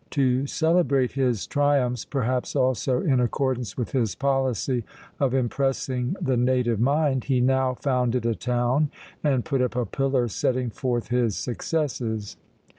To celebrate his triumphs, perhaps also in accordance with his policy of impressing the native mind, he now founded a town and put up a pillar setting forth his successes.